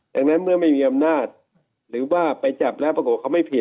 ดังนั้นเมื่อไม่มีอำนาจหรือว่าไปจับแล้วปรากฏว่าเขาไม่ผิด